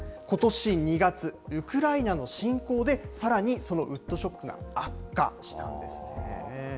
ことし２月、ウクライナの侵攻でさらにそのウッドショックが悪化したんですね。